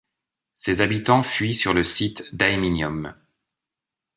Ses habitants fuient sur le site d'Aeminium.